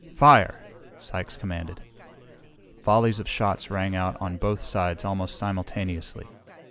"Fire!" Sykes commanded. Volleys of shots rang out on both sides almost simultaneously.